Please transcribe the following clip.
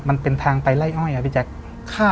มันเป็นทางไปไล่อ้อยครับพี่แจ๊ค